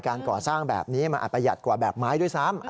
การก่อสร้างแบบนี้มันอาจประหยัดกว่าแบบไม้ด้วยซ้ำ